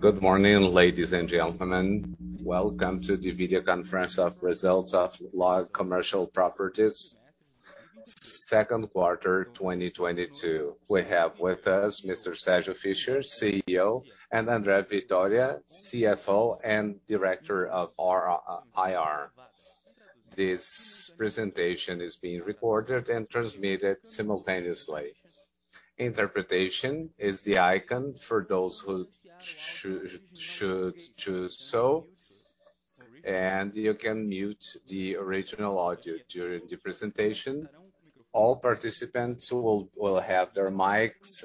Good morning, ladies and gentlemen. Welcome to the video conference of results of LOG Commercial Properties second quarter 2022. We have with us Mr. Sérgio Fischer, CEO, and André Vitória, CFO and Director of IR. This presentation is being recorded and transmitted simultaneously. Interpretation is the icon for those who should choose so, and you can mute the original audio during the presentation. All participants will have their mics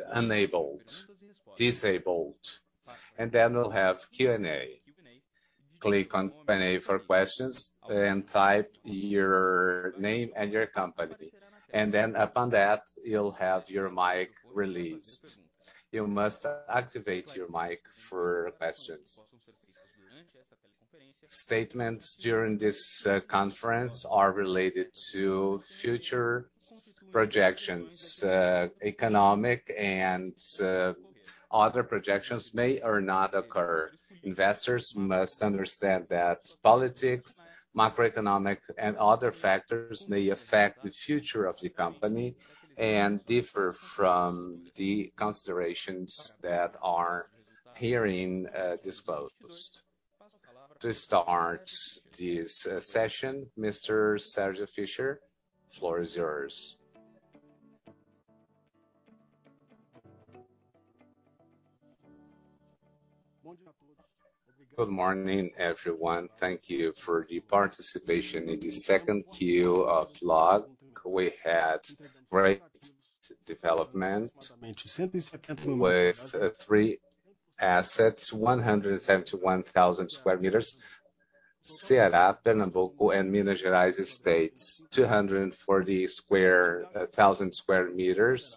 disabled. We'll have Q&A. Click on Q&A for questions, and type your name and your company. Upon that, you'll have your mic released. You must activate your mic for questions. Statements during this conference are related to future projections. Economic and other projections may or not occur. Investors must understand that politics, macroeconomic, and other factors may affect the future of the company and differ from the considerations that are herein disclosed. To start this session, Mr. Sérgio Fischer, floor is yours. Good morning, everyone. Thank you for the participation. In the second Q of LOG, we had great development with three assets, 171,000 m². Ceará, Pernambuco, and Minas Gerais states, 240,000 m².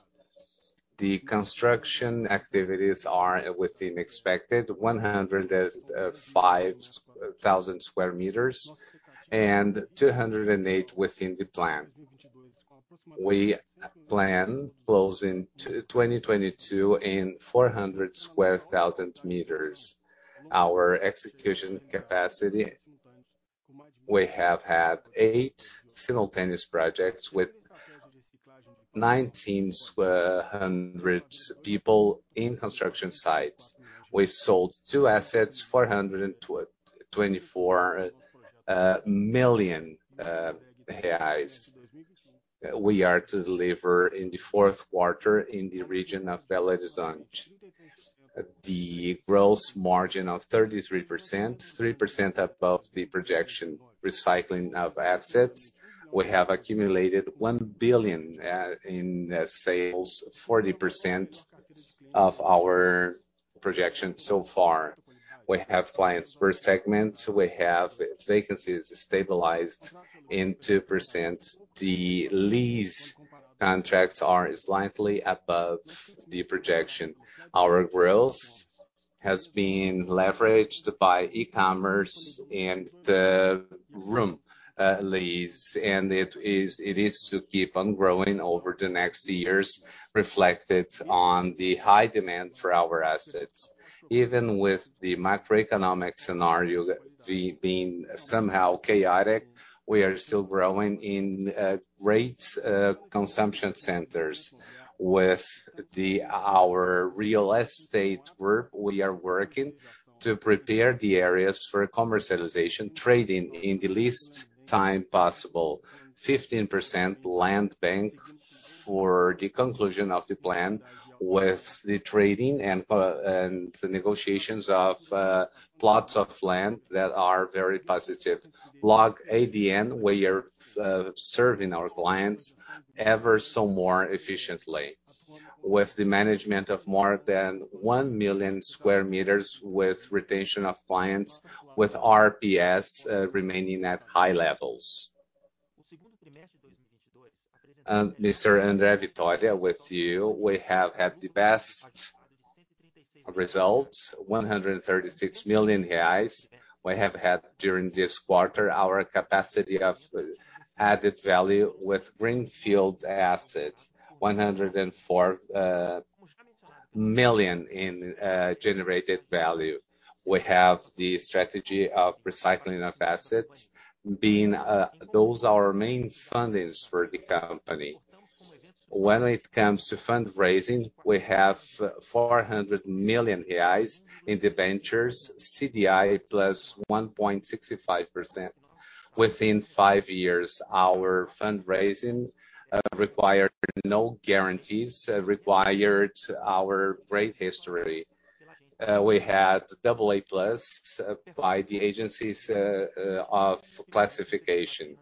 The construction activities are within expected, 105,000 m² and 208,000 within the plan. We plan closing 2022 in 400,000 square meters. Our execution capacity, we have had eight simultaneous projects with 1,900 people in construction sites. We sold two assets, 424 million reais. We are to deliver in the fourth quarter in the region of Belo Horizonte. The gross margin of 33%, 3% above the projection. Recycling of assets, we have accumulated 1 billion in sales, 40% of our projection so far. We have clients per segment. We have vacancies stabilized in 2%. The lease contracts are slightly above the projection. Our growth has been leveraged by e-commerce and the room lease, and it is to keep on growing over the next years, reflected on the high demand for our assets. Even with the macroeconomic scenario being somehow chaotic, we are still growing in great consumption centers. Our real estate work, we are working to prepare the areas for commercialization, trading in the least time possible. 15% land bank for the conclusion of the plan with the trading and the negotiations of plots of land that are very positive. LOG ADM, we are serving our clients ever so more efficiently. With the management of more than 1 million square meters with retention of clients, with RPS remaining at high levels. Mr. André Vitória, with you, we have had the best results, 136 million reais we have had during this quarter. Our capacity of added value with greenfield assets, 104 million in generated value. We have the strategy of recycling of assets being those are our main fundings for the company. When it comes to fundraising, we have 400 million reais in debentures, CDI +1.65% within five years. Our fundraising required no guarantees, our great history. We had AA+ by the agencies of classification.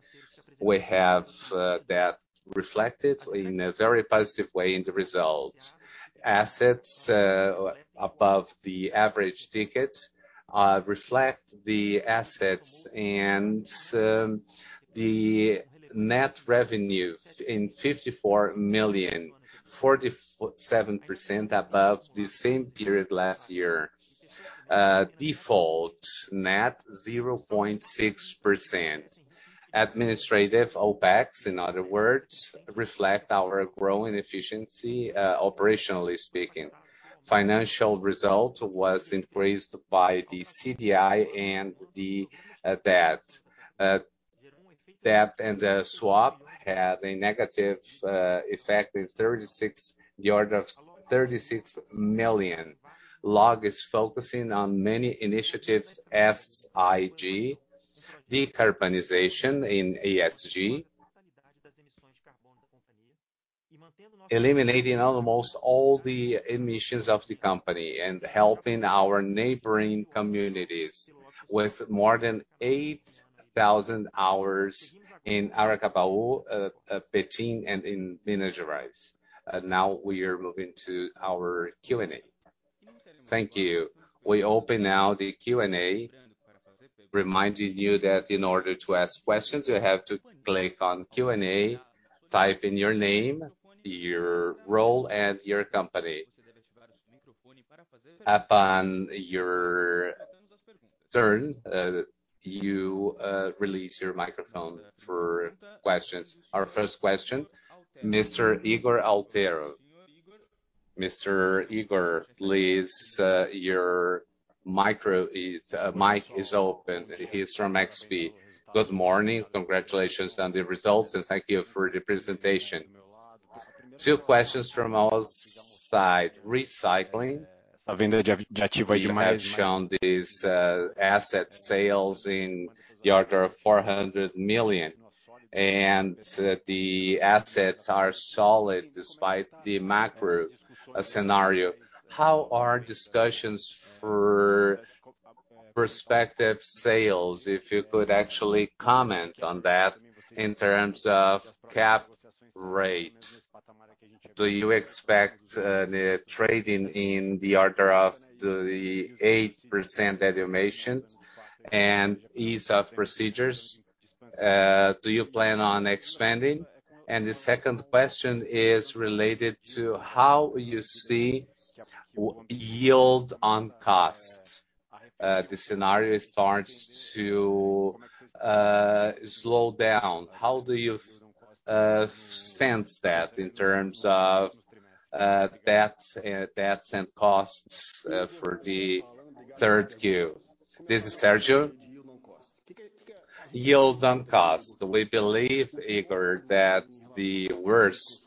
We had that reflected in a very positive way in the results. Assets above the average ticket reflect the assets and the net revenue in 54 million, 47% above the same period last year. Default net 0.6%. Administrative OPEX, in other words, reflect our growing efficiency, operationally speaking. Financial result was increased by the CDI and the debt. Debt and the swap had a negative effect of the order of 36 million. LOG is focusing on many initiatives, SIG, decarbonization in ESG. Eliminating almost all the emissions of the company and helping our neighboring communities with more than 8,000 hours in Araçariguama, Betim and in Minas. Now we are moving to our Q&A. Thank you. We open now the Q&A, reminding you that in order to ask questions, you have to click on Q&A, type in your name, your role and your company. Upon your turn, you release your microphone for questions. Our first question, Mr. Ygor Altero. Mr. Ygor, please, your mic is open. He's from XP. Good morning. Congratulations on the results, and thank you for the presentation. Two questions from our side. Recycling. You have shown these asset sales in the order of 400 million, and the assets are solid despite the macro scenario. How are discussions for prospective sales, if you could actually comment on that in terms of cap rate? Do you expect the trading in the order of the 8% cap rates and ease of execution? Do you plan on expanding? The second question is related to how you see yield on cost. The scenario starts to slow down. How do you sense that in terms of debts and costs for the third Q? This is Sérgio. Yield on cost. We believe, Ygor, that the worst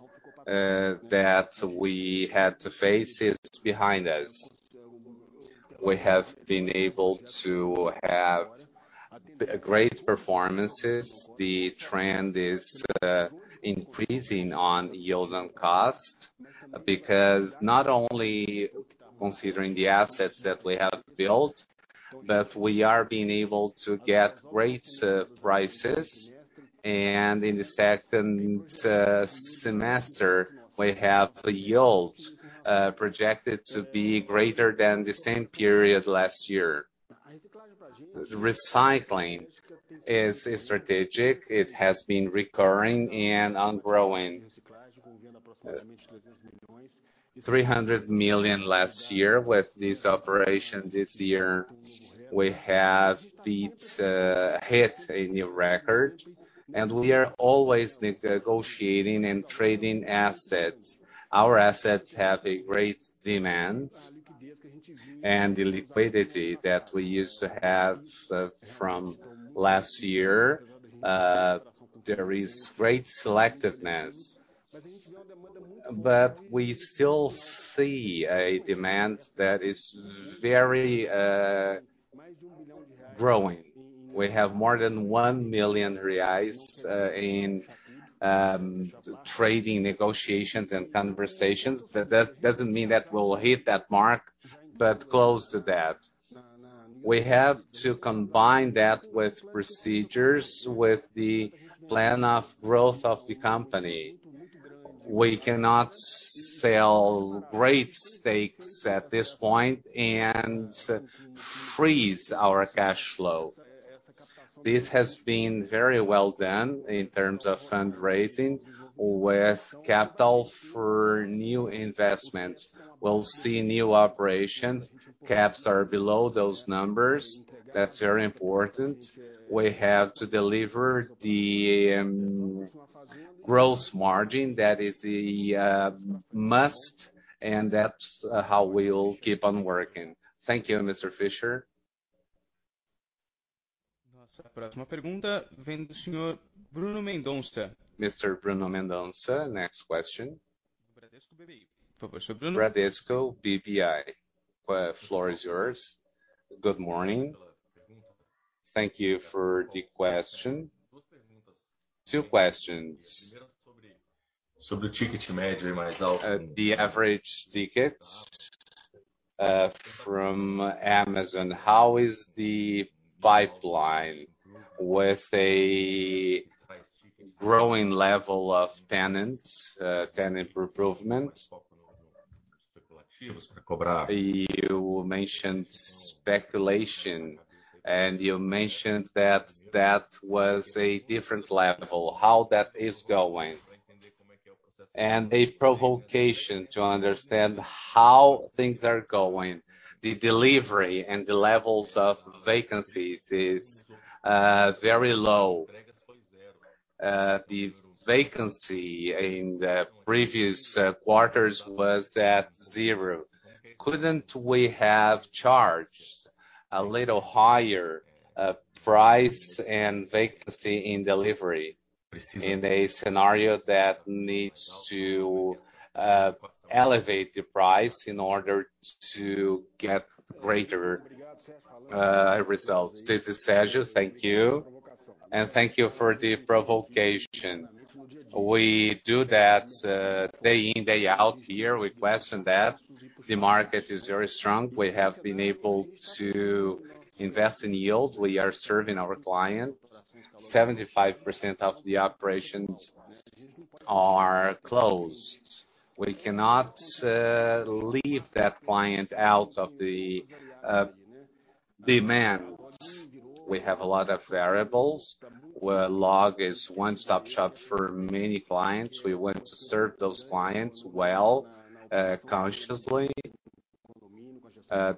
that we had to face is behind us. We have been able to have great performances. The trend is increasing on yield on cost because not only considering the assets that we have built, but we are being able to get great prices. In the second semester, we have the yield projected to be greater than the same period last year. Recycling is a strategy. It has been recurring and ongoing. 300 million last year. With this operation this year, we have hit a new record, and we are always negotiating and trading assets. Our assets have a great demand, and the liquidity that we used to have from last year, there is great selectiveness. We still see a demand that is very growing. We have more than 1 million reais in trading negotiations and conversations. That doesn't mean that we'll hit that mark, but close to that. We have to combine that with procedures, with the plan of growth of the company. We cannot sell great stakes at this point and freeze our cash flow. This has been very well done in terms of fundraising with capital for new investments. We'll see new operations. Cap rates are below those numbers. That's very important. We have to deliver the gross margin. That is a must, and that's how we'll keep on working. Thank you, Mr. Fischer. Mr. Bruno Mendonça, next question. Bradesco BBI. Floor is yours. Good morning. Thank you for the question. Two questions. The average ticket from Amazon, how is the pipeline with a growing level of tenants, tenant improvement? You mentioned speculation, and you mentioned that was a different level. How that is going? A provocation to understand how things are going. The delivery and the levels of vacancies is very low. The vacancy in the previous quarters was at zero. Couldn't we have charged a little higher price and vacancy in delivery in a scenario that needs to elevate the price in order to get greater results? This is Sérgio. Thank you, and thank you for the provocation. We do that day in, day out here. We question that. The market is very strong. We have been able to invest in yield. We are serving our clients. 75% of the operations are closed. We cannot leave that client out of the demands. We have a lot of variables, where LOG is one-stop shop for many clients. We want to serve those clients well, consciously,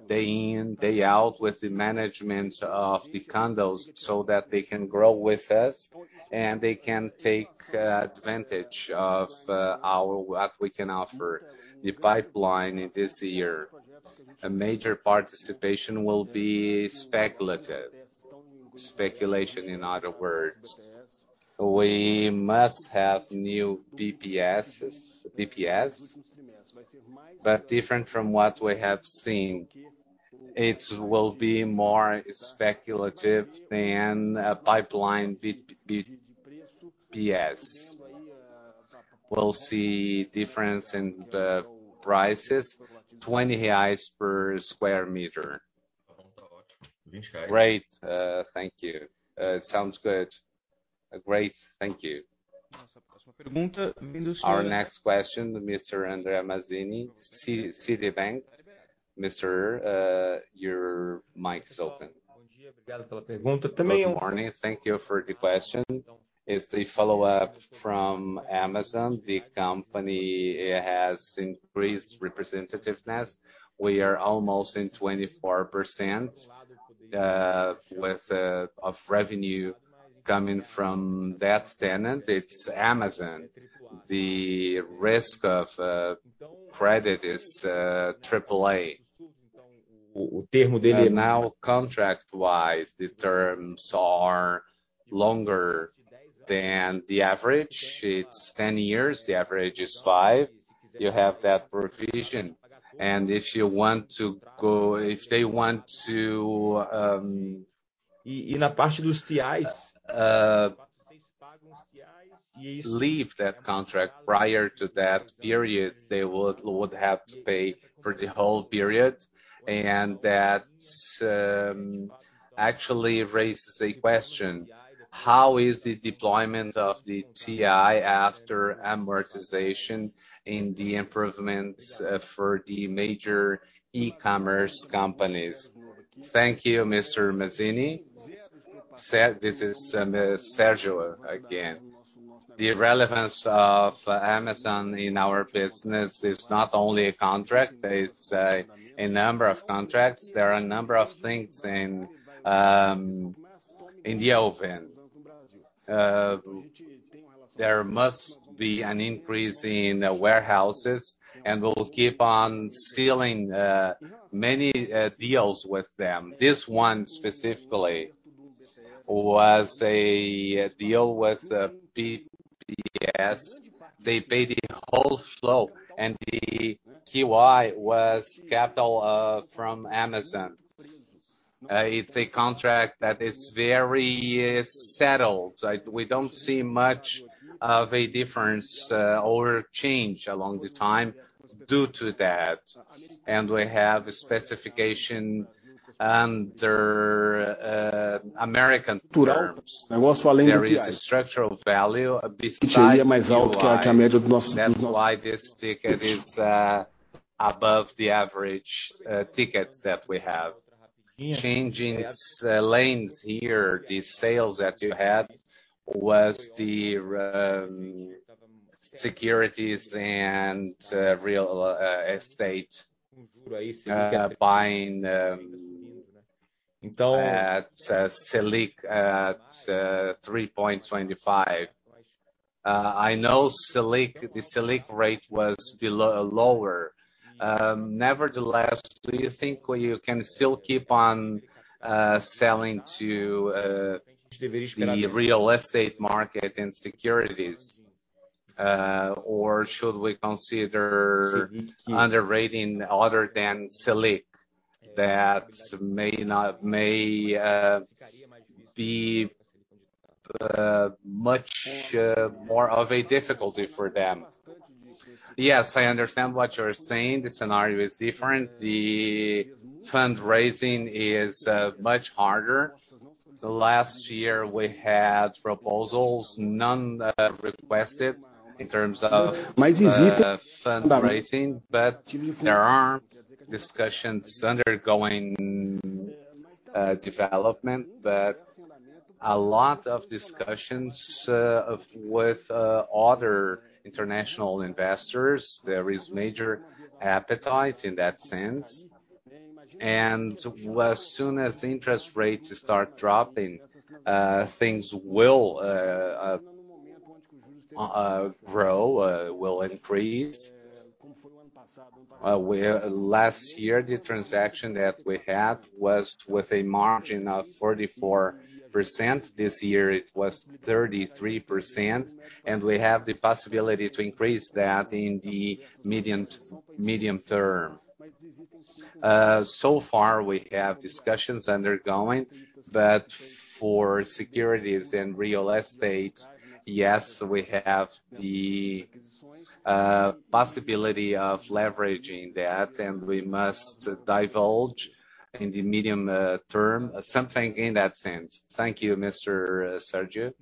day in, day out with the management of the condos so that they can grow with us and they can take advantage of what we can offer. The pipeline in this year, a major participation will be speculative. Speculation, in other words. We must have new BTSs, BTS, but different from what we have seen. It will be more speculative than a pipeline BTS. We'll see difference in the prices, 20 reais per square meter. Great. Thank you. Sounds good. Great, thank you. Our next question, Mr. André Mazini, Citibank. Mister, your mic is open. Good morning. Thank you for the question. It's a follow-up from Amazon. The company has increased representativeness. We are almost at 24% of revenue coming from that tenant. It's Amazon. The credit risk is triple A. Now contract-wise, the terms are longer than the average. It's 10 years, the average is five. You have that provision. If they want to leave that contract prior to that period, they would have to pay for the whole period. That actually raises a question. How is the deployment of the TI after amortization in the improvements for the major e-commerce companies? Thank you, Mr. Mazini. This is Sérgio again. The relevance of Amazon in our business is not only a contract, it's a number of contracts. There are a number of things in the oven. There must be an increase in warehouses, and we'll keep on sealing many deals with them. This one specifically was a deal with BTS. They paid the whole flow, and the TI was CapEx from Amazon. It's a contract that is very settled. We don't see much of a difference or change over time due to that. We have a specification under American terms. There is a structural value besides TI. That's why this ticket is above the average tickets that we have. Changing lanes here, the sales that you had was the securities and real estate buying at Selic at 3.25%. I know the Selic rate was lower. Nevertheless, do you think you can still keep on selling to the real estate market and securities? Or should we consider underwriting other than Selic that may be much more of a difficulty for them? Yes, I understand what you're saying. The scenario is different. The fundraising is much harder. The last year we had proposals, none requested in terms of fundraising, but there are ongoing discussions in development. A lot of discussions with other international investors. There is major appetite in that sense. As soon as interest rates start dropping, things will grow, will increase. Where last year, the transaction that we had was with a margin of 44%. This year, it was 33%, and we have the possibility to increase that in the medium term. So far, we have discussions undergoing, but for securities and real estate, yes, we have the possibility of leveraging that, and we must divulge in the medium term something in that sense. Thank you, Mr. Sérgio Fischer.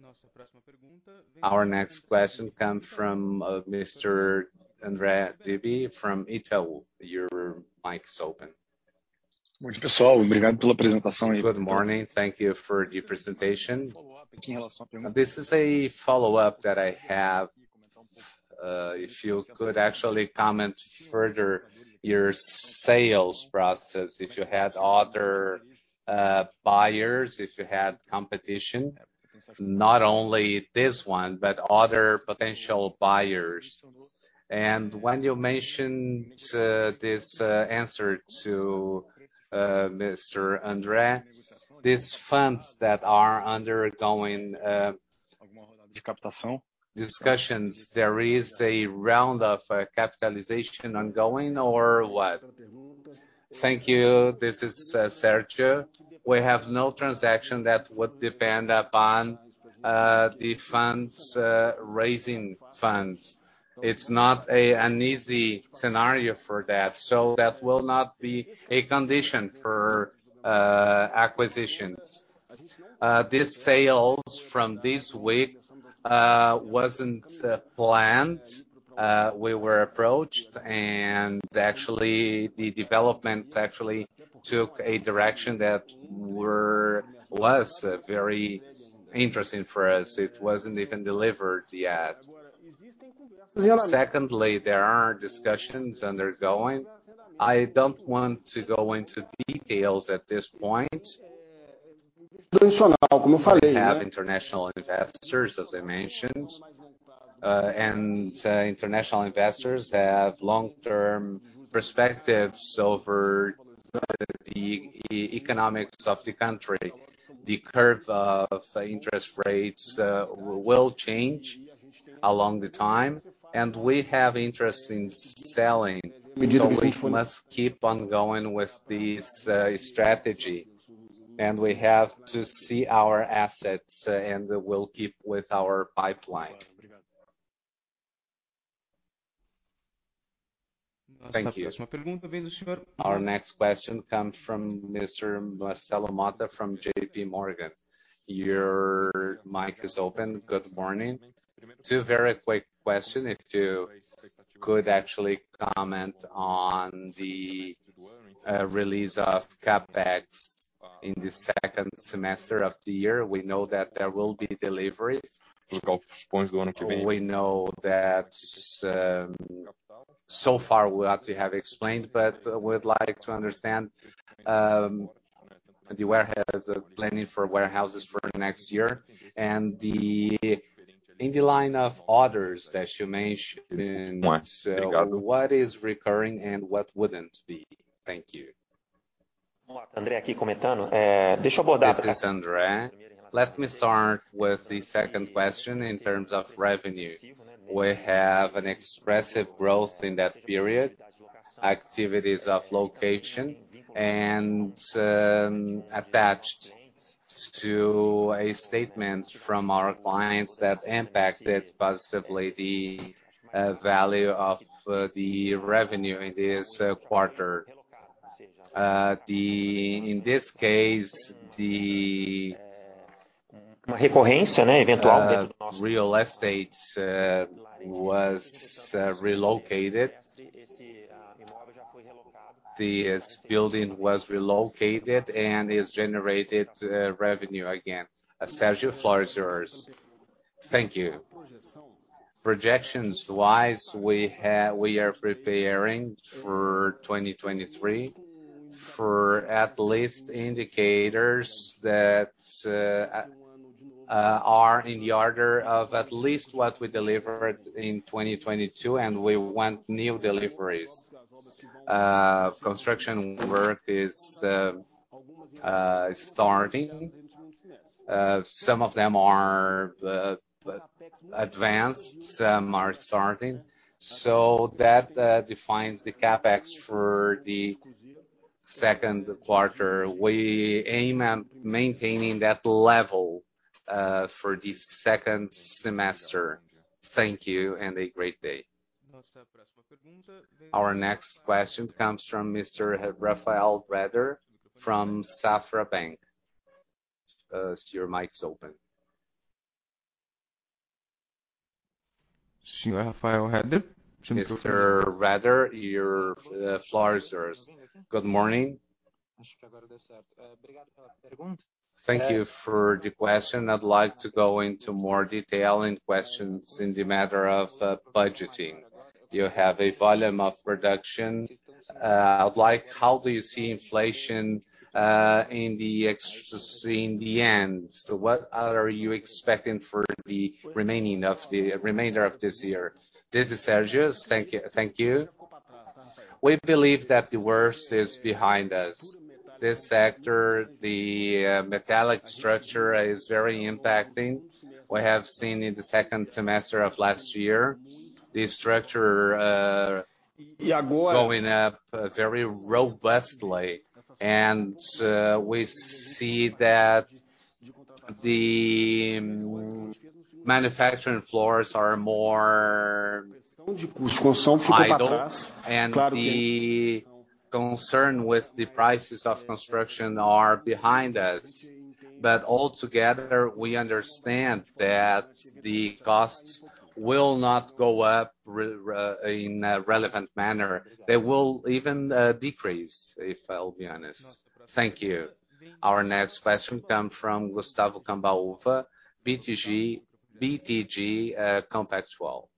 Our next question comes from Mr. Daniel Gasparete from Itaú BBA. Your mic is open. Good morning. Thank you for the presentation. This is a follow-up that I have. If you could actually comment further on your sales process, if you had other buyers, if you had competition, not only this one, but other potential buyers. When you mentioned this answer to Mr. André, these funds that are undergoing discussions, there is a round of capitalization ongoing or what? Thank you. This is Sérgio. We have no transaction that would depend upon the funds raising funds. It's not an easy scenario for that, so that will not be a condition for acquisitions. These sales from this week wasn't planned. We were approached, and actually, the development actually took a direction that was very interesting for us. It wasn't even delivered yet. Secondly, there are discussions undergoing. I don't want to go into details at this point. We have international investors, as I mentioned, and international investors have long-term perspectives over the economics of the country. The curve of interest rates will change over time, and we have no interest in selling. We must keep on going with this strategy, and we have to see our assets, and we'll keep with our pipeline. Thank you. Our next question comes from Mr. Marcelo Motta from JPMorgan. Your mic is open. Good morning. Two very quick questions. If you could actually comment on the release of CapEx in the second semester of the year. We know that there will be deliveries. We know that so far we actually have explained, but we'd like to understand the planning for warehouses for next year. In the line of others that you mentioned, what is recurring and what wouldn't be? Thank you. This is André Vitória. Let me start with the second question in terms of revenue. We have an expressive growth in that period, activities of location and attached to a statement from our clients that impacted positively the value of the revenue in this quarter. In this case, the real estate was relocated. This building was relocated, and it's generated revenue again. Sérgio, floor is yours. Thank you. Projections-wise, we are preparing for 2023 for at least indicators that are in the order of at least what we delivered in 2022, and we want new deliveries. Construction work is starting. Some of them are advanced, some are starting. That defines the CapEx for the second quarter. We aim at maintaining that level for the second semester. Thank you, and a great day. Our next question comes from Mr. Rafael Breder from Safra Bank. Your mic is open. Mr. Rafael Breder, your floor is yours. Good morning. Thank you for the question. I'd like to go into more detail in questions in the matter of budgeting. You have a volume of production. I'd like, how do you see inflation in the end? So what are you expecting for the remainder of this year? This is Sérgio. Thank you, thank you. We believe that the worst is behind us. This sector, the metallic structure is very impacting. We have seen in the second semester of last year, the structure going up very robustly. We see that the manufacturing floors are more idle, and the concern with the prices of construction are behind us. Altogether, we understand that the costs will not go up in a relevant manner. They will even decrease, if I'll be honest. Thank you. Our next question comes from Gustavo Cambauva, BTG Pactual.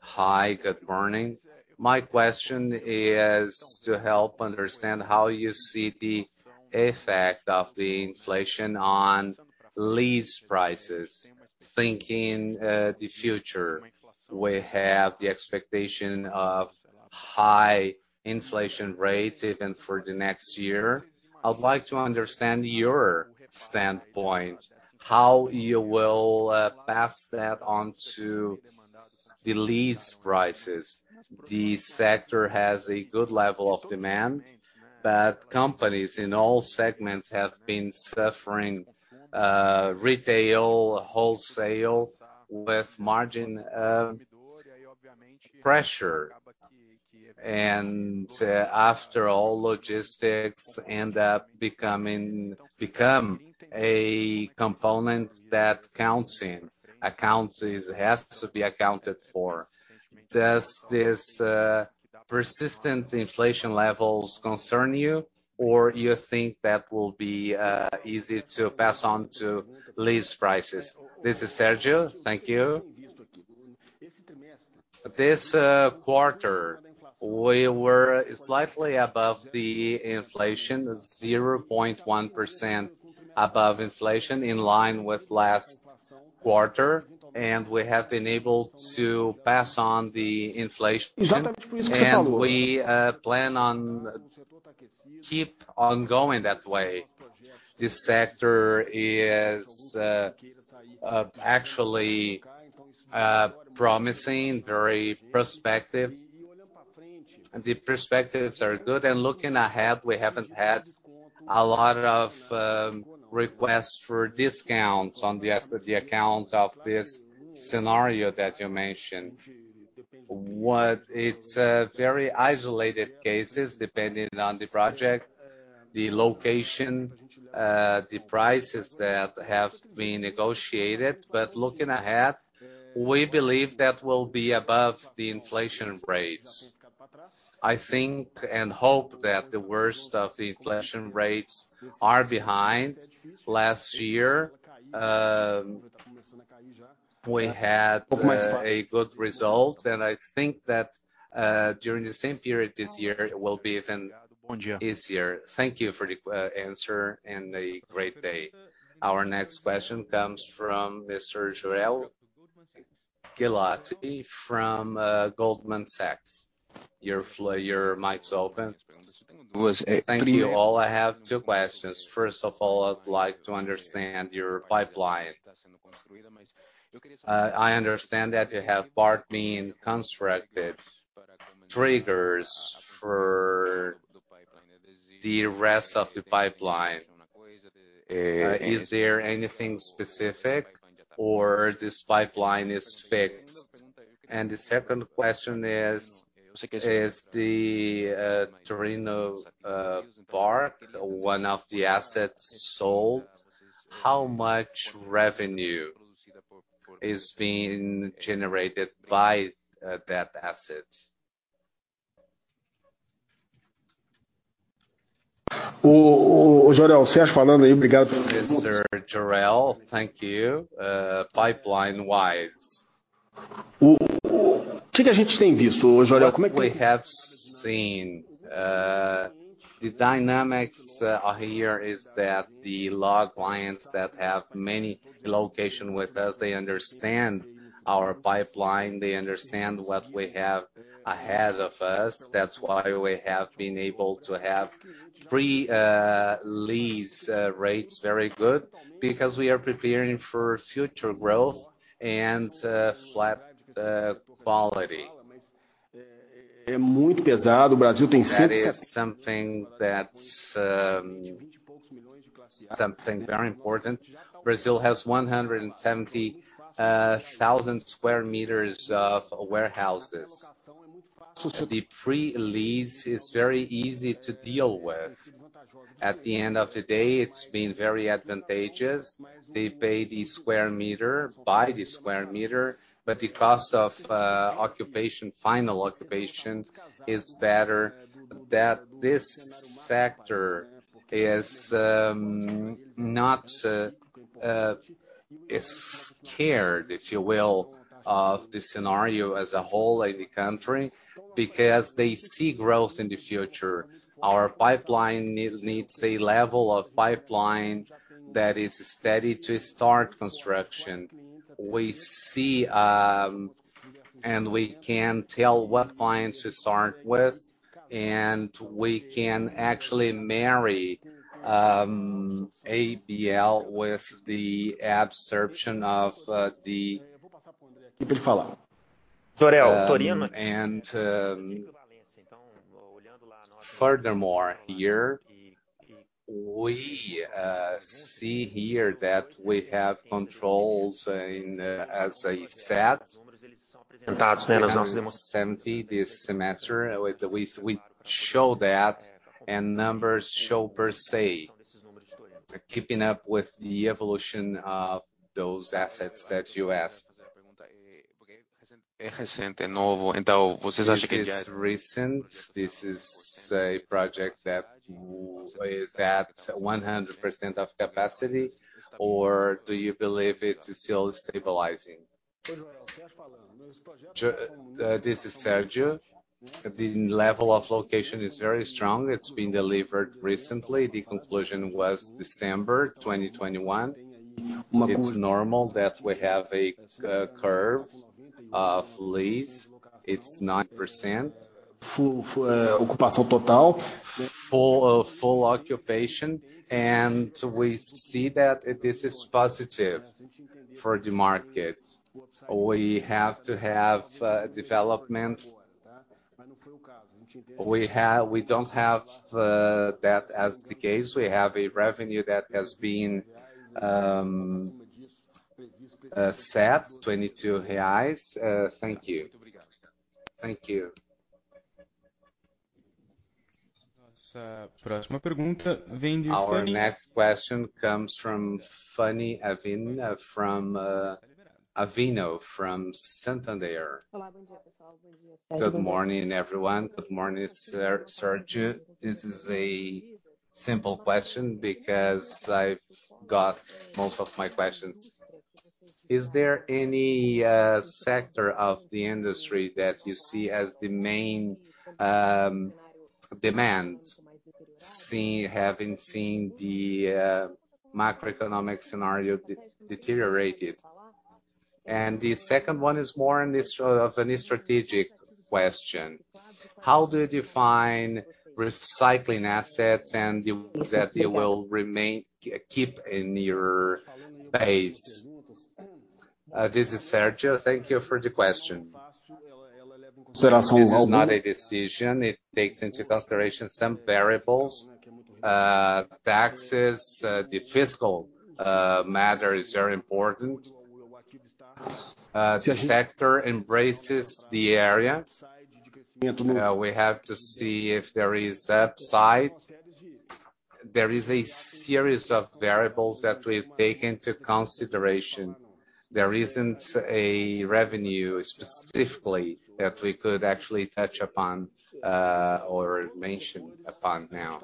Hi, good morning. My question is to help understand how you see the effect of the inflation on lease prices. Thinking the future, we have the expectation of high inflation rates even for the next year. I'd like to understand your standpoint, how you will pass that on to the lease prices. The sector has a good level of demand, but companies in all segments have been suffering retail, wholesale with margin pressure. After all, logistics end up become a component that counts in accounts has to be accounted for. Does this persistent inflation levels concern you, or you think that will be easy to pass on to lease prices? This is Sérgio. Thank you. This quarter, we were slightly above the inflation, 0.1% above inflation in line with last quarter, and we have been able to pass on the inflation. We plan on keep on going that way. This sector is actually promising, very prospective. The perspectives are good. Looking ahead, we haven't had a lot of requests for discounts on the account of this scenario that you mentioned. It's very isolated cases, depending on the project, the location, the prices that have been negotiated. Looking ahead, we believe that we'll be above the inflation rates. I think and hope that the worst of the inflation rates are behind. Last year, we had a good result, and I think that during the same period this year, it will be even easier. Thank you for the answer, and a great day. Our next question comes from Mr. Jorel Guilloty from Goldman Sachs. Your mic's open. Thank you all. I have two questions. First of all, I'd like to understand your pipeline. I understand that you have part been constructed triggers for the rest of the pipeline. Is there anything specific or this pipeline is fixed? The second question is the Torino Park one of the assets sold, how much revenue is being generated by that asset? Mr. Guilloty, thank you. Pipeline-wise. What we have seen, the dynamics here is that the large clients that have many location with us, they understand our pipeline, they understand what we have ahead of us. That's why we have been able to have pre-lease rates very good because we are preparing for future growth and high quality. That is something very important. Brazil has 170,000 m² of warehouses. The pre-lease is very easy to deal with. At the end of the day, it's been very advantageous. They pay the square meter by the square meter, but the cost of occupation, final occupation is better. That this sector is not scared, if you will, of the scenario as a whole in the country because they see growth in the future. Our pipeline needs a level of pipeline that is steady to start construction. We see and we can tell what clients to start with, and we can actually marry ABL with the absorption of. Furthermore, we see here that we have controls in, as I said. 70 this semester. We show that and numbers show per se, keeping up with the evolution of those assets that you asked. This is recent. This is a project that is at 100% of capacity or do you believe it is still stabilizing? This is Sérgio. The occupation level is very strong. It's been delivered recently. The completion was December 2021. It's normal that we have a leasing curve. It's 9%. Full occupation, and we see that this is positive for the market. We have to have development. We don't have that as the case. We have a revenue that has been set BRL 22. Thank you. Our next question comes from Fanny Avino from Santander. Good morning, everyone. Good morning, Sérgio. This is a simple question because I've got most of my questions. Is there any sector of the industry that you see as the main demand, having seen the macroeconomic scenario deteriorated? The second one is more of a strategic question. How do you define recycling assets and the ones that you will keep in your base? This is Sérgio. Thank you for the question. This is not a decision. It takes into consideration some variables. Taxes, the fiscal matter is very important. The sector embraces the area. We have to see if there is upside. There is a series of variables that we take into consideration. There isn't a revenue specifically that we could actually touch upon, or mention upon now.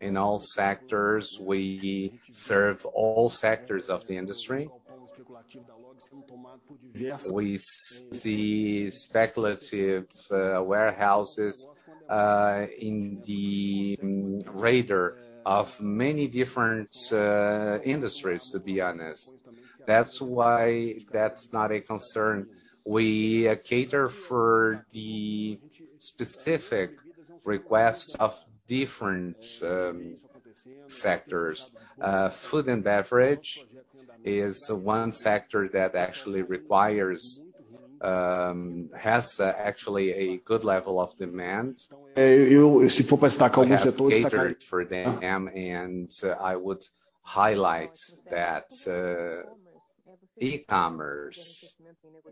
In all sectors, we serve all sectors of the industry. We see speculative warehouses in the radar of many different industries, to be honest. That's why that's not a concern. We cater for the specific requests of different sectors. Food and beverage is one sector that actually has a good level of demand. We have catered for them, and I would highlight that e-commerce.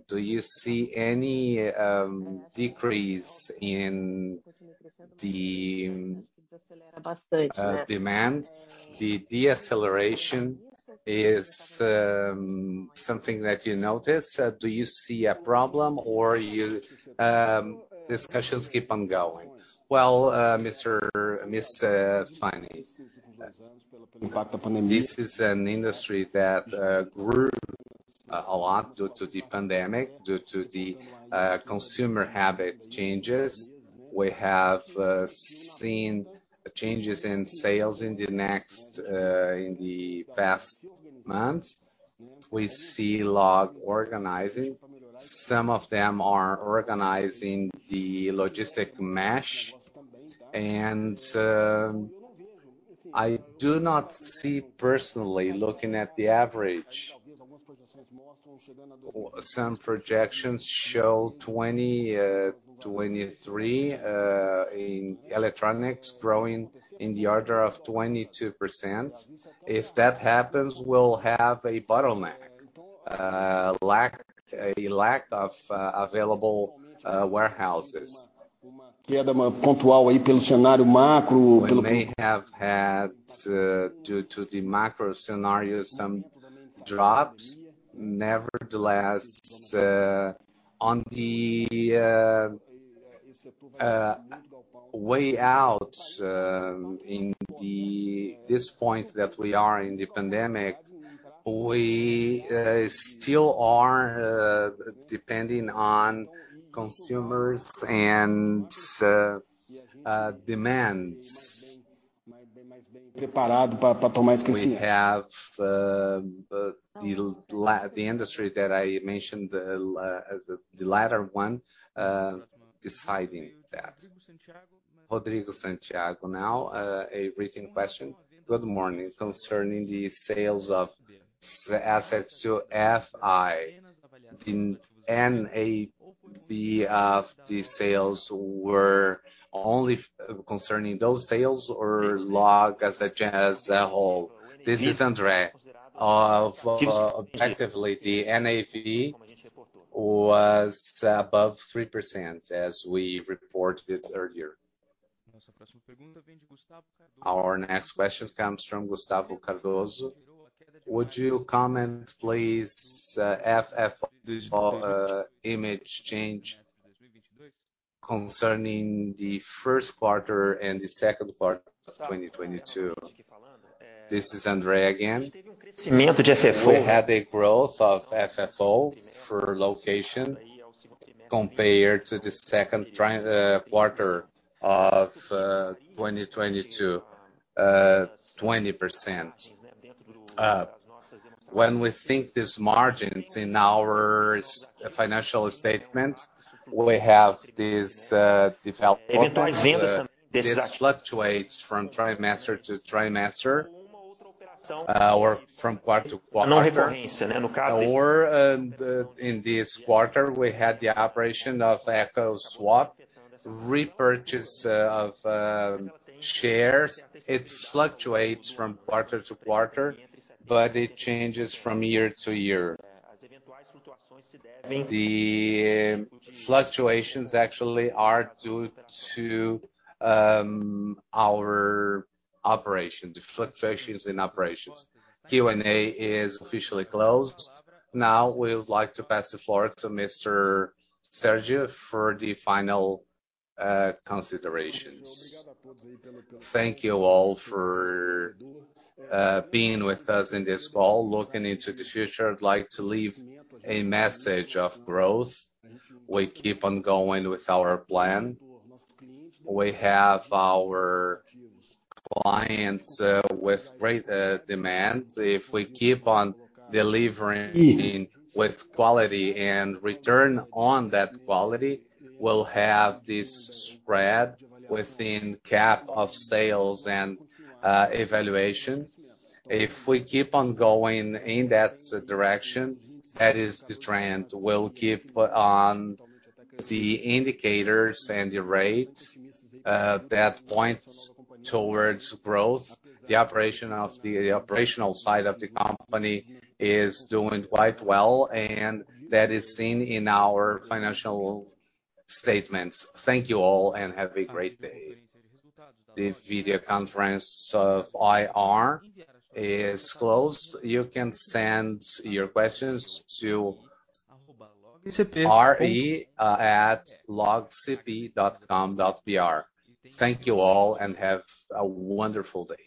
Do you see any decrease in the demand? The deceleration is something that you notice. Do you see a problem or your discussions keep on going? Well, Ms. Fanny Avino, this is an industry that grew a lot due to the pandemic, due to the consumer habit changes. We have seen changes in sales in the past month. We see a lot organizing. Some of them are organizing the logistics mesh. I do not see personally looking at the average. Some projections show 2023 in electronics growing in the order of 22%. If that happens, we'll have a bottleneck, a lack of available warehouses. We may have had, due to the macro scenario, some drops. Nevertheless, on the way out, at this point that we are in the pandemic, we still are depending on consumers and demands. We have the industry that I mentioned as the latter one deciding that. Rodrigo Santiago, now a brief question. Good morning. Concerning the sales of the assets to FII. Is the NAV of the sales only for those sales or LOG as a whole? This is André Vitória. Objectively, the NAV was above 3% as we reported earlier. Our next question comes from Gustavo Cardoso. Would you comment please on any change in FFO concerning the first quarter and the second quarter of 2022? This is André Vitória again. We had a growth of FFO per location compared to the second quarter of 2020 to 20%. When we think these margins in our financial statement, we have this fluctuates from trimester to trimester, or from quarter to quarter. In this quarter, we had the operation of equity swap repurchase of shares. It fluctuates from quarter to quarter, but it changes from year to year. The fluctuations actually are due to our operations, the fluctuations in operations. Q&A is officially closed. Now we would like to pass the floor to Mr. Sérgio for the final considerations. Thank you all for being with us in this call. Looking into the future, I'd like to leave a message of growth. We keep on going with our plan. We have our clients with great demands. If we keep on delivering with quality and return on that quality, we'll have this spread within cap of sales and evaluation. If we keep on going in that direction, that is the trend. We'll keep on the indicators and the rates that points towards growth. The operational side of the company is doing quite well, and that is seen in our financial statements. Thank you all and have a great day. The video conference of IR is closed. You can send your questions to ri@logcp.com.br. Thank you all and have a wonderful day.